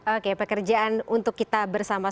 oke pekerjaan untuk kita bersama